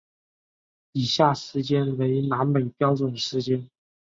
以下时间为南美标准时间。